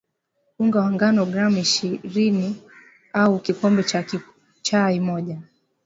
unga wa ngano gram ishiriniau kikombe cha chai moja